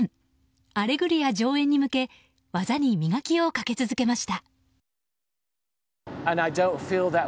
「アレグリア」上演に向け技に磨きをかけ続けました。